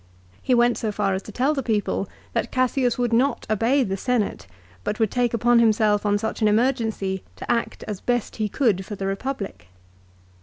He went so far as to tell the people that Cassius would not obey the Senate but would take upon himself on such an emergency to act as best he could for the Republic.